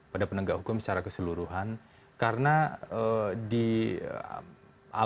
pada penegak hukum secara keseluruhan karena di alam bawah sana